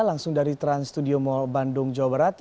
langsung dari trans studio mall bandung jawa barat